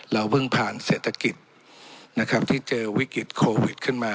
เราเพิ่งผ่านเศรษฐกิจนะครับที่เจอวิกฤตโควิดขึ้นมา